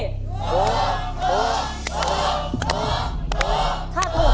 ถูกถูกถูกถูกถูก